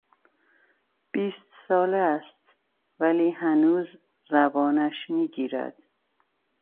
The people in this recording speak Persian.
بیست ساله است ولی هنوز زبانش میگیرد.